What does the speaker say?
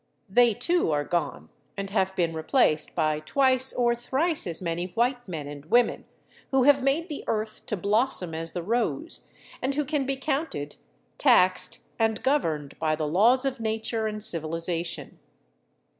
They, too, are gone, and have been replaced by twice or thrice as many white men and women, who have made the earth to blossom as the rose, and who can be counted, taxed, and governed by the laws of nature and civilization.